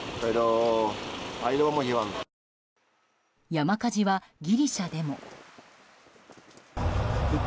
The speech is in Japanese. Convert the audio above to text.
山火事はギリシャでも。